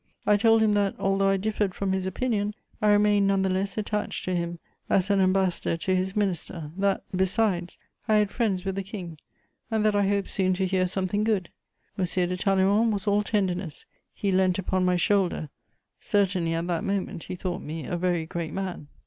I told him that, although I differed from his opinion, I remained none the less attached to him, as an ambassador to his minister; that, besides, I had friends with the King, and that I hoped soon to hear something good. M. de Talleyrand was all tenderness; he leant upon my shoulder: certainly, at that moment, he thought me a very great man.